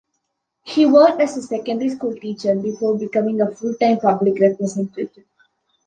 He worked as a secondary school teacher before becoming a full-time public representative.